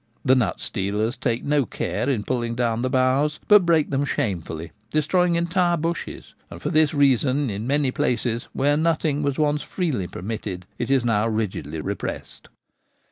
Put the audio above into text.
The nut stealers take no care in pulling down the boughs,, but break them shamefully, destroying entire bushes ; and for this reason in many places, where nutting was once freely permitted, it is now rigidly repressed.